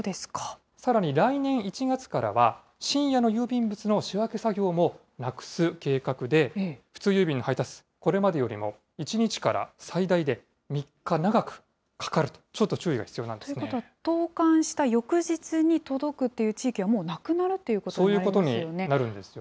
さらに来年１月からは、深夜の郵便物の仕分け作業もなくす計画で、普通郵便の配達、これまでよりも１日から最大で３日長くかかると、ということは、投かんした翌日に届くという地域はもうなくなるということになりそういうことになるんですよ